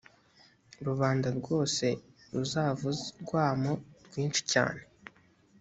rubanda rwose ruzavuze urwamo rwinshi cyane.